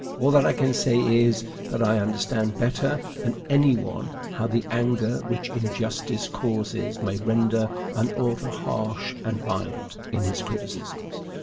All that I can say is, that I understand better than any one how the anger which injustice causes may render an author harsh and violent in his criticisms.